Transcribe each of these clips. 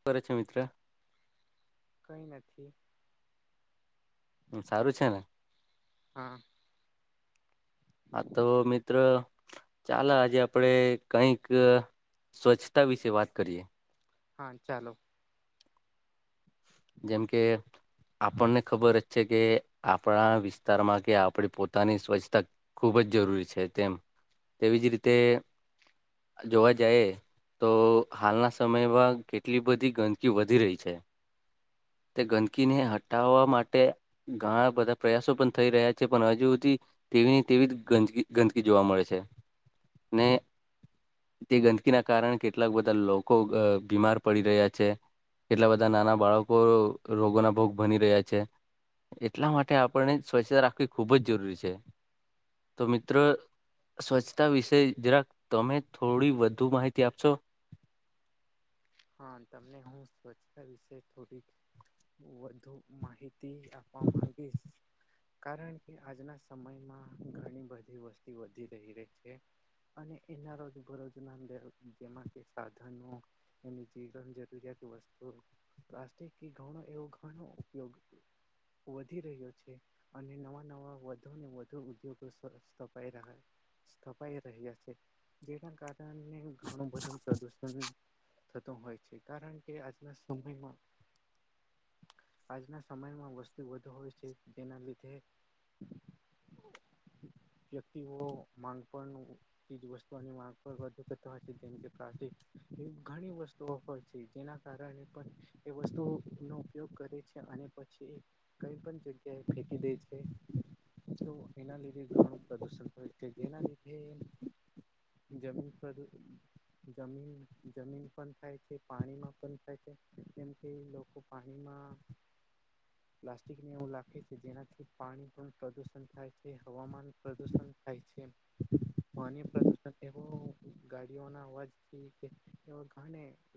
શુ કરે છેં મિત્ર કઈ નથી હમ્મ સારું છે ને હા આ તો મિત્ર ચાલો આજે આપડે કઈક સ્વચ્છતા વિશે વાત કરીએ. હા ચાલો. જેમ કે આપણને ખબર જ છે કે આપણા વિસ્તારમાં કે આપણી પોતાની સ્વચ્છતા ખૂબ જ જરૂરી છે તેમ, તેવીજ રીતે જોવા જાય એ તો હાલના સમયમાં કેટલી બધી ગંદકી વધી રહી છે. તે ગંદકીને હટાવવા માટે ઘણા બધા પ્રયાસો પણ થઈ રહ્યા છે પણ હજુ સુધી તેવી તેવી જ ગંદકી ગંદકી જોવા મળે છે. ને [inaudible] તે ગંદકીના કારણે કેટલાક બધા લોકો બીમાર પડી રહ્યા છે. કેટલા બધા નાના બાળકો રોગોના ભોગ બની રહ્યા છે. એટલા માટે આપણને સ્વચ્છતા રાખવી ખૂબ જ જરૂરી છે, તો મિત્રો સ્વચ્છતા વિશે જરાક તમે થોડી વધુ માહિતી આપશો? હા તમને હું સ્વચ્છતા વિશે થોડીક વધુ માહિત તી આપપ માગીસ. કારણ કે આજના સમયમાં ઘણી બધી વસ્તી વધી રહી રહી છે. અને એના રોજબરોજ નાંદ જેમાં કે સાધનો એની જીવન જરૂરિયાત વસ્તુ પ્લાસ્ટિક ઘણો એવો ઘણો ઉપયોગ હત. વધી રહ્યો છે. અને નવા નવા વધુ ને વધુ ઉદ્યોગો સ્થપાઈ રહ્યા. સ્થપાઈ રહ્યા છે, જેના કારણે ઘણું બધું પ્રદુષણ થતો હોય છે કારણ કે આજના સમયમાં. આજના સમયમાં વસ્તુ વધુ હોય છે જેના લીધે વ્યક્તિઓ માંગ પણ ત્રીજ વસ્તુ અને માબધ પેતા હોય છે દન કાઢ ઘણી વસ્તુ ઓફર છે જેના કારણે પણ એ વસ્તુ નો ઉપયોગ કરે છે અને પછી કઈ પણ જગ્યા એ ફેંકી દે છે. તો એના લીધે ઘણું પ્રદુષણ થયું જેના લીધે જમીન પર જમીન. જમીન પણ થાય છે પાણીમાં પણ થાય છે, જેમ કે લોકો પાણીમાં [inaudible] પ્લાસ્ટિકને એવું લખે છે જેનાથી પાણી પણ પ્રદુષણ થાય છે હવામાન પ્રદુષણ. થાય છે, પાણી પ્રદુષણ એવો ગાડીઓના અવાજથી એ ઘ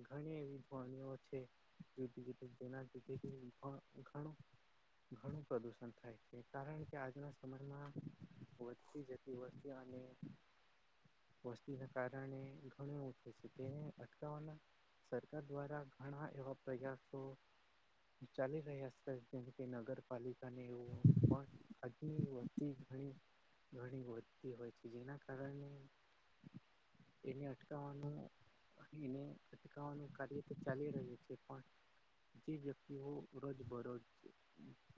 ઘણી એવી ધ્ણીઓ છે. જે જેના જ ઉખાડો ઘણું પ્રદુષણ થાય છે કારણ કે આજના સમયમાં વધતી જતી વસ્તી અને વસ્તી ના કારણે ઘણું એવું તેને અટકાવવાના સરકાર દ્વારા ઘણા એવા પ્રયાસો ચાલી રહ્યા છે, જેમ કે નગરપાલિકાને એવું પણ અગ્નિ વધતી ઘણી ઘણી વધતી હોય છે જેના કારણે, એને અટકાવવાનું એને અટકાવવાનું કાર્ય તો ચાલી રહ્યું છે, પણ જે વ્યક્તિઓ રોજબરોજ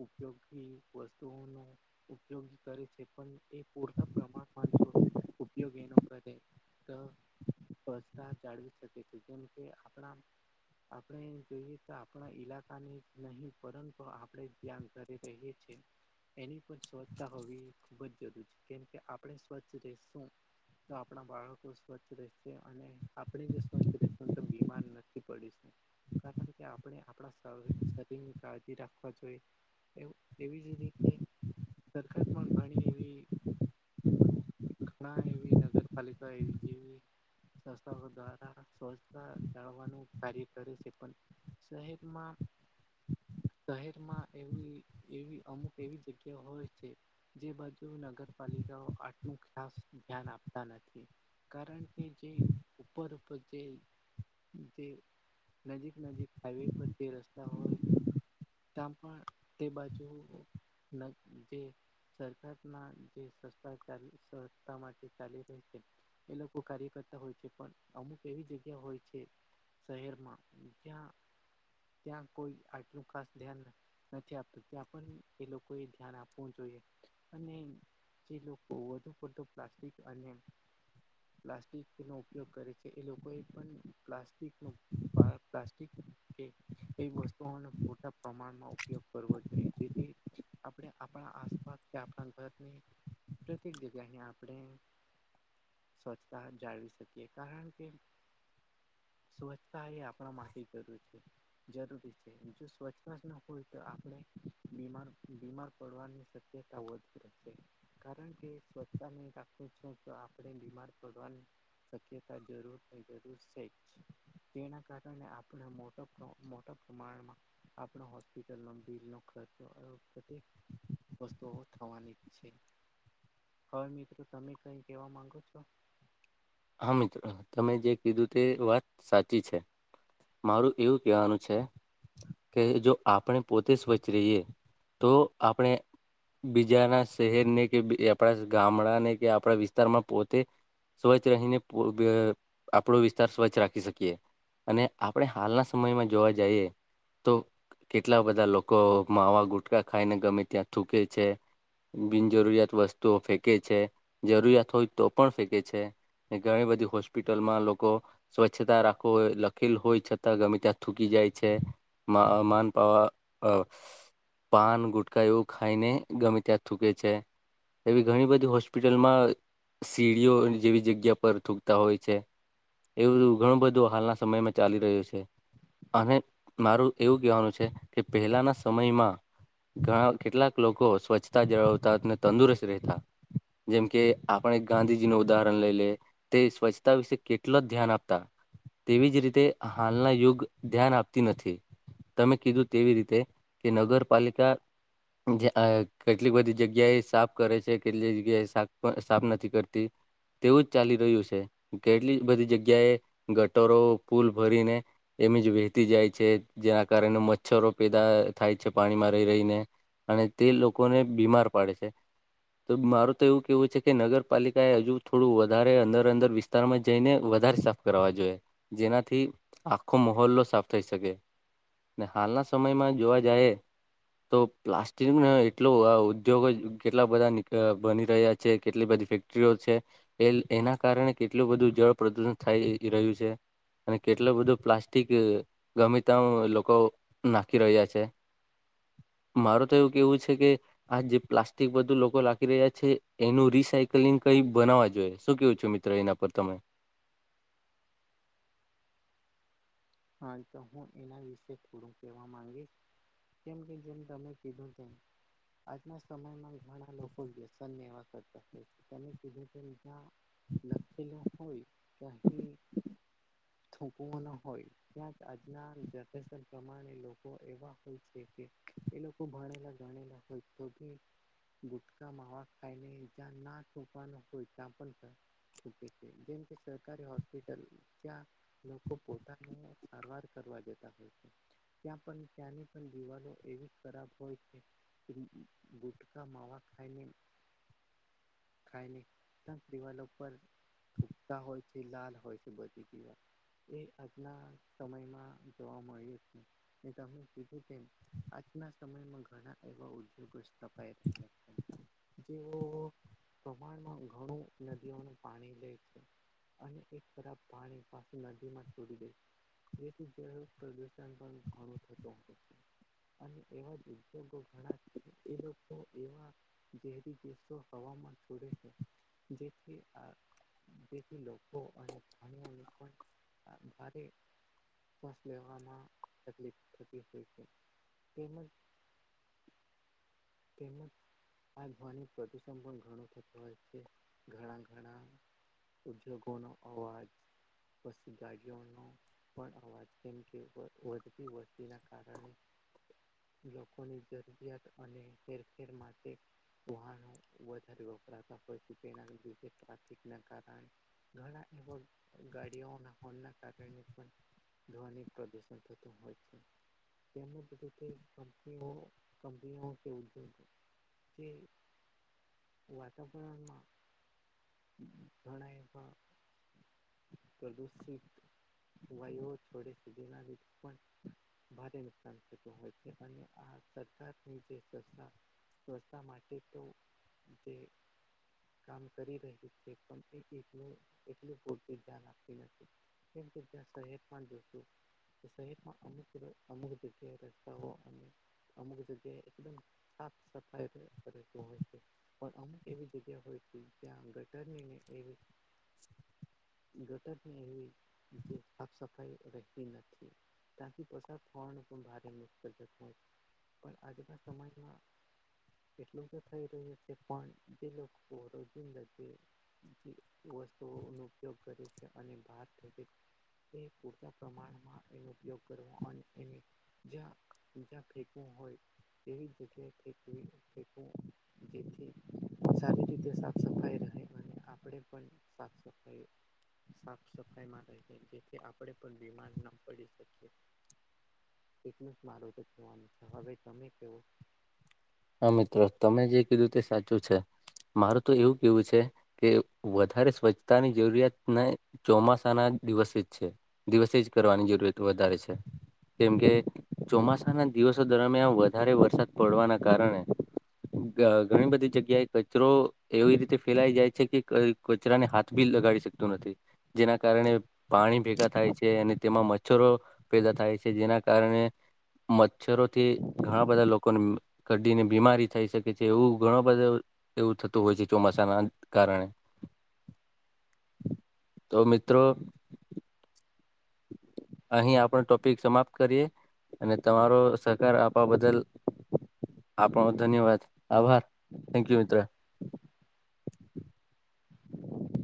ઉપયોગી વસ્તુઓનું ઉપયોગી કરે છે પણ એ પૂરતા પ્રમાણમાં જો ઉપયોગ એ નક તો જાળવી શકે છે જેમ કે આપણા આપણે જોઈએ તો આપણા ઈલાકાની જ નહી પરંતુ આપડે ધ્યાન કર એ કહી છે. એની પણ સ્વચ્છતા હોવી ખૂબ જ જરૂરી છે કેમ કે આપણે સ્વચ્છ રેશું તો આપણા બાળકો સ્વચ્છ રેશે અને આપણે જો સ્વચ્છ રહેશું તો બીમાર નક્કી પડીશું. આપણ કે આપણે આપણા શરીરની કાળજી રાખવા જોઈએ. એવી જ રીતે સરખટમાં ગણી એવી. ઘણા એવી નગરપાલિકા એવી જેવી દ્વારા સ્વચ્છતા જાવાનું કાર્ય કર્યું છે પણ શહેરમાં શહેરમાં એ એવી અમુક એવી જગ્યા હોય છે. જે બાજુ નગરપાલિકાઓ આટલું ખાસ ધ્યાન આપતા નથી. કારણ કે જે ઉપર ઉપર જે જે નજીક નજીક હાઈવે પર જે રસ્તા હોય. ત્યાં પણ તે બાજુ જે સરકારના જે સસ્તા સહતા માટે ચાલી રહી છે. એ લોકો કાર્યકર્તા હોય. પણ અમુક એવી જગ્યા હોય છે શહેરમાં જ્યાં ત્યાં કોઈ આટલું ખાસ ધ્યાન નથી નથી આપતું ત્યાં પણ એ લોકો એ ધ્યાન આપવું જોઈએ. અને જે લોકો વધુ પડતો પ્લાસ્ટિક અને પ્લાસ્ટિક નો ઉપયોગ કરે છે, એ લોકો એ પણ પ્લાસ્ટિક ન પ્લાસ્ટિક કે એ વસ્તુઓને મોટા પ્રમાણમાં ઉપયોગ કરવો જોઈએ જેથી આપણે આપણા આસપાસ કે આપણા ઘરને પ્રત્યેક જગ્યા આપણે સ્વચ્છતા જાળવી શકીએ, કારણ કે સ્વચ્છતા એ આપણા માટે જરૂર છે. જરૂરી છે જો સ્વચ્છતા જ ન હોય તો આપણે બીમાર બીમાર પડવાની કેતા હોય કે કારણ કે સ્વચ્છતા નહી રાખવું છે તો આપણે બીમાર પડવાનું શક્યતા જરૂર જરૂર છે જ. તેના કારણે આપણે મોટા, મોટા પ્રમાણમાં આપણા હોસ્પિટલ નો બિલ નો ખર્ચો વસ્તુઓ થવાની છે હવે મિત્રો તમે કઈ કેવા માંગો છો? હા મિત્રો તમે જે કીધું તે વાત સાચી છે. મારું એવું કહેવાનું છે કે હમ જો આપણે પોતે સ્વચ્છ રહીએ તો આપણે બીજાના શહેરને કે આપણા ગામડાને કે આપણા વિસ્તારમાં પોતે સ્વચ્છ રહીને આપણો વિસ્તાર સ્વચ્છ રાખી શકીએ. અને આપણે હાલના સમયમાં જોવા જઈએ તો કેટલા બધા લોકો માવા ગુટકા ખાઈને ગમે ત્યાં થૂકે છે. બિનજરૂરિયાત વસ્તુઓ ફેંકે છે જરૂરિયાત હોય તો પણ ફેંકે છે. એ ઘણી બધી હોસ્પિટલમાં લોકો સ્વચ્છતા રાખવો હોય લખેલ હોય છતાં ગમે ત્યાં થૂકી જાય છે. [unintelligible] પાન ગુટકા એવું ખાઈને ગમે ત્યાં થૂકે છે. એવી ઘણી બધી હોસ્પિટલમાં સીડીઓ જેવી જગ્યા થૂકતા હોય છે એવું ઘણું બધું હાલના સમયમાં ચાલી રહ્યું છે. અને મારું એવું કહેવાનું છે કે પહેલાના સમયમાં ઘણા કેટલાક લોકો સ્વચ્છતા જાળવતાને તંદુરસ્ત રહેતા. જેમ કે આપણે ગાંધીજી નું ઉદાહરણ લઈ લે તે સ્વચ્છતા વિશે કેટલા ધ્યાન આપતા. તેવી જ રીતે હાલના યુગ ધ્યાન આપતી નથી. તમે કીધું તેવી રીતે કે નગરપાલિકા જે કેટલી બધી જગ્યા એ સાફ કરે છે કેટલી જગ્યા એ સાફ નથી કરતી. તેવું જ ચાલી રહ્યું છે કેટલી બધી જગ્યાએ ગટરો ફુલ ભરીને એમ જ વહેતી જાય છે જેના કારણે મચ્છરો પેદા થાય છે પાણીમાં રહી રહીને. અને તે લોકોને બીમાર પાડે છે. તો મારું તો એવું કેવું છે કે નગરપાલિકા એ હજુ થોડું વધારે અંદર અંદર વિસ્તારમાં જઈને વધારે સાફ કરવા જોઈએ. જેનાથી આખો માહોલ્લો સાફ થઈ શકે. ને હાલના સમયમાં જોવા જાય તો પ્લાસ્ટિક એટલો આ ઉદ્યોગ જ કેટલા બધા બની રહ્યા છે કેટલી બધી ઇફેક્ટ એના કારણે કેટલું બધું જળ પ્રદૂષણ થાય રહ્યું છે. અને કેટલો બધો પ્લાસ્ટિક ગમે ત લોકો નાખી રહ્યા છે. મારે તો એવું કેવું છે કે આ જે પ્લાસ્ટિક બધું લોકો લખી રહ્યા છે એનું રિસાયકલિંગ કઈ બનાવવા જો. જોઈ શું કેવું છું મિત્રો એના પર તમે? હા તો હું એના વિશે થોડું કેહેવા માંગીશ. કેમ કે જેમ તમે કીધું તેમ આજના સમયમાં ઘણા લોકો વ્યસન એવા કરતા હતા તધ ત લખલા હોય તો હ થોકવાના હોય ત્યાં આજના જનરેશન પ્રમાણે લોકો એવા હોય છે કે એ લોકો ભણેલા ગણેલા હોય તો ભુટકા માવાક ખાઈનેજ ના થવા નતા પણ થૂંકે છે જેમ કે સરકારી હોસ્પિટલ ત્યાં લોકો પોતા સારવાર કરવા જતા હોય છે. ત્યાં પણ ત્યાંની પણ દીવાલો એવી જ ખરાબ હોય છે. ગુટકા માાવવા ખાયને ખાયલી તો તેવા ઉપર સુતા હોય છે લાલ હોય છે બધી જીવા એ આજના સમયમાં જોવા મળ્યો છે મે તમે કીધું કે. આજના સમયમાં ઘણા એવા ઉદ્યોગો સ્થપાઈ રહ્યા છે. જેઓ પ્રમાણમાં ઘણું નદીઓને પાણી લે છે અને એક ખરાબ પાણી પાછી નદીમાં છોડી દઈ. જેથી જ પ્રદૂણ પણ ઘણો થતો. અને એવા જ ઉદ્યોગો ઘણા છે એ લોકો એવા જેરી દસો હવામાન છોડે છે જેથી આ જેથી લોકો અને સ્ણીને પણ ભારે ફસ લગના તકલીફ થતી હોય છે. તેમજ તેમ આ ધ્વનિ પ્રદુષણ પણ ઘણું થતું હોય છે ઘણા ઘણા ઉદ્યોગોનો અવાજ વસ્તી ગાડીઓનો પણ અવાજ કેમ કે વધતી વસ્તીના કારણે લોકોની જરૂરિયાત અને હેરફેર માટે. વાહનો વધારે વપરાતા હોય, તે ટ્રાફિક ના કારણે ઘણા એ ગાડીઓ ના હોના કારણે પણ ધવનની પ્રદૂષણ થતો હોય છે. તેમ કની કપની કે ઉદગ તે વાતાવરણ માં ઘણા એવા પ્રદુષિત. વાયઓ થોડે સુધી ના દીધું પણ. ભારે નુકસાન થતું હોય છે, અને આ સરકારની જે. વાહનો વધારે સ્વચ્છતા માટે તો જે કામ કરી રહી. લું એલું પૂરતું ધ્યાન આપતી નથી. સ પણ દું. [unintelligible] તે સહટમાં અમુક અમુક જગ્યાએ રસ્તાઓ અને અમુક જગ્યાએ એકદમ સાફ સફાઈ કર હો. પણ અમુક એવી જગ્યા હોય છે, જ્યાં ગટરનીને એવી ગટરની એ હોય, જે સાફ-સફાઈ રહેતી નથી. ત્યાંથી પસાર થવાનું પણ ભારે મુશ્કેલ જતા હોય, પણ આજના સમાજમાં. એટલું તો થઈ રહ્યું છે, પણ જે લોકો રોજિંદા વસ્તુઓ ન ઉપયોગ કરે છે, અને બારતી તે પૂરતા પ્રમાણમાં એનો ઉપયોગ કરવો, અને એ જ્યાં જ્યાં ફેકું હોય, તેવી જગ્યાએે ફેક જેથી સારી રીતે સાફ સફાઈ રહે. અને આપણે પણ સાફ-સફાઈ. સાફ સફાઈ માટે છે, જેથી આપણે પણ બીમાર ન પડી શકીએ. એટલું જ મારું તો જોવાનું છે, હવે તમે કેવો. હા મિત્રો, તમે જે કીધું તે સાચું છે, મારું તો એવું કેવું છે. કે, વધારે સ્વચ્છતાની જરૂરિયાત ને ચોમાસાના દિવસે જ છે. દિવસે જ કરવાની જરૂરત વધારે છે. કેમ કે, ચોમાસાના દિવસો દરમિયાન, વધારે વરસાદ પડવાના કારણે. ઘણી બધી જગ્યાએ કચરો એવી રીતે ફેલાઈ જાય છે કે કચરાને હાથ બી લગાડી શકતું નથી. જેના કારણે પાણી ભેગા થાય છે, અને તેમાં મચ્છરો પેદા થાય છે, જેના કારણે મચ્છરોથી ઘણા બધા લોકોને. કડીને બીમારી થઈ શકે છે, એવું ઘણો બધો એવું થતું હોય છે, ચોમાસાના કારણે [unintelligible] તો મિત્રો. અહીં આપણો ટોપિક સમાપ્ત કરીએ, અને તમારો સહકાર આપવા બદલ. આપણો, ધન્યવાદ, આભાર. થેક યુ, મિત્ર. [unintelligible]